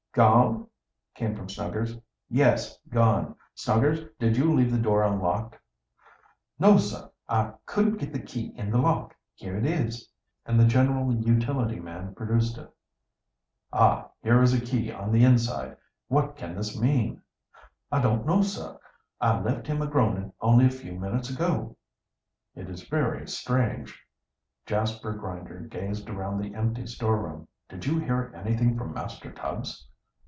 "Gone?" came from Snuggers. "Yes, gone. Snuggers did you leave the door unlocked?" "No, sir, I couldn't get the key in the lock. Here it is." And the general utility man produced it. "Ah! here is a key on the inside. What can this mean?" "I don't know, sir. I left him a groanin' only a few minutes ago." "It is very strange." Jasper Grinder gazed around the empty storeroom. "Did you hear anything from Master Tubbs?"